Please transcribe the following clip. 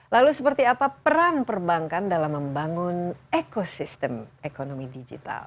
lalu seperti apa peran perbankan dalam membangun ekosistem ekonomi digital